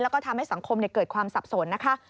แล้วก็ทำให้สังคมเกิดความสับสนนะคะ